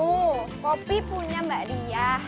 ini punya kamu kopi punya mbak diya